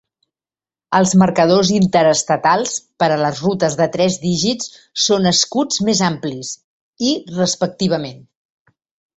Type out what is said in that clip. Els marcadors interestatals per a les rutes de tres dígits són escuts més amplis, i respectivament.